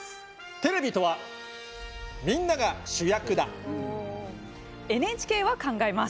テレビとはＮＨＫは考えます。